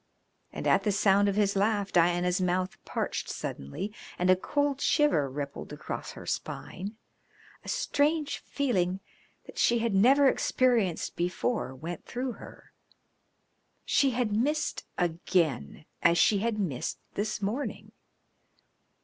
And at the sound of his laugh Diana's mouth parched suddenly, and a cold shiver rippled across her spine. A strange feeling that she had never experienced before went through her. She had missed again as she had missed this morning.